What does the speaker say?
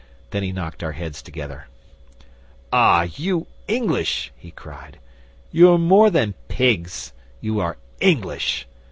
Then he knocked our heads together. '"Ah, you English!" he cried. "You are more than pigs. You are English.